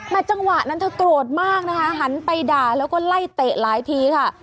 แต่จังหวะนั้นเธอโกรธมากนะคะหันไปด่าแล้วก็ไล่เตะหลายทีค่ะ